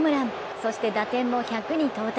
そして打点も１００に到達。